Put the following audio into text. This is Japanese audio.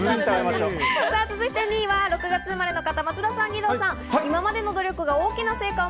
続いて２位は６月生まれの方、松田さん、義堂さん。